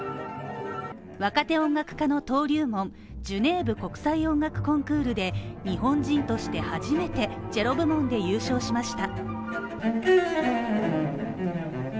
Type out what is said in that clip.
若手音楽家の登竜門、ジュネーブ国際音楽コンクールで日本人として初めてチェロ部門で優勝しました。